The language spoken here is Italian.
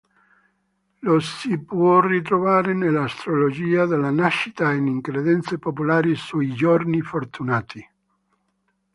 Lo si può ritrovare nell'astrologia della nascita e in credenze popolari sui “giorni fortunati”.